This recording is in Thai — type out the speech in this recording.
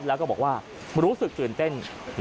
แล้วก็บอกว่ารู้สึกตื่นเต้น